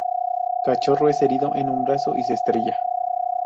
Cachorro es herido en un brazo y se estrella.